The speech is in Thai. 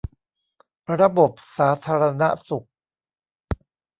ระบบสาธารณสุข